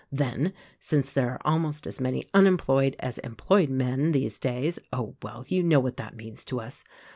Then, since there are almost as many unemployed as employed men, these days — Oh, well, you know what that means to us.